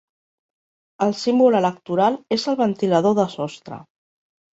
El símbol electoral és el ventilador de sostre.